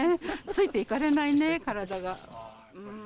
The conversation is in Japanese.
ついていかれないね、体が。